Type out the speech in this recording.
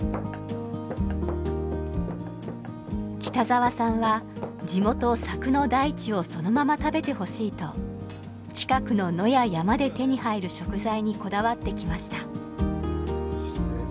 北沢さんは地元佐久の大地をそのまま食べてほしいと近くの野や山で手に入る食材にこだわってきました。